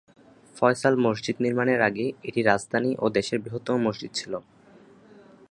ফয়সাল মসজিদ নির্মাণের আগে এটি রাজধানী ও দেশের বৃহত্তম মসজিদ ছিল।